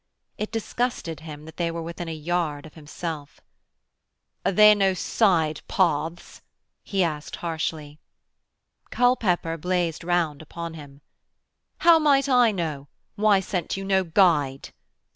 It disgusted him that they were within a yard of himself. 'Are there no side paths?' he asked harshly. Culpepper blazed round upon him: 'How might I know? Why sent you no guide?'